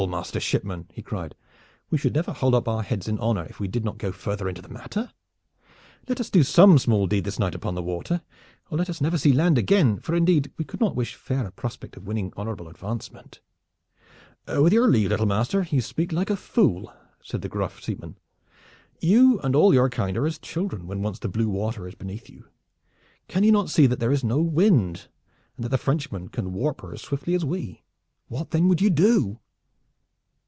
master shipman," he cried, "we should never hold up our heads in honor if we did not go further into the matter! Let us do some small deed this night upon the water, or let us never see land again, for indeed we could not wish fairer prospect of winning honorable advancement." "With your leave, little master, you speak like a fool," said the gruff seaman. "You and all your kind are as children when once the blue water is beneath you. Can you not see that there is no wind, and that the Frenchman can warp her as swiftly as we? What then would you do?"